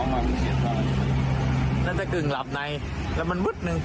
มันหลับในแล้วมันมึดหนึ่ง